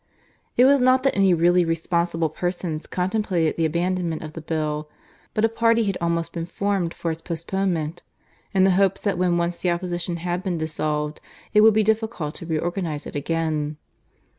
... It was not that any really responsible persons contemplated the abandonment of the Bill; but a party had almost been formed for its postponement, in the hope that when once the opposition had been dissolved it would be difficult to reorganize it again.